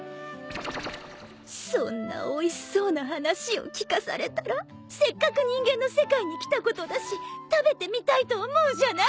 そんなおいしそうな話を聞かされたらせっかく人間の世界に来たことだし食べてみたいと思うじゃない。